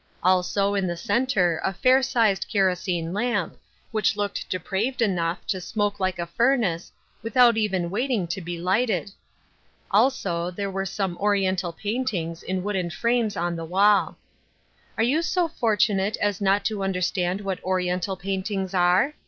Also, in the center, a fair sized kerosene lamp, which looked depraved enough to smoke like a furnace, with out even waiting to be lighted ! Also, there' were some oriental paintings in wooden frames on the wall. Are you so fortunate as not to understand what oriental paintings are